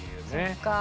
そっか。